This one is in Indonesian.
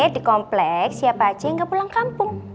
di kompleks siapa aja yang nggak pulang kampung